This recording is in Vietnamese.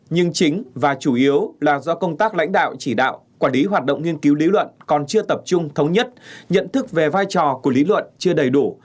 nhưng chính và chủ yếu là do công tác lãnh đạo chỉ đạo quản lý hoạt động nghiên cứu lý luận còn chưa tập trung thống nhất nhận thức về vai trò của lý luận chưa đầy đủ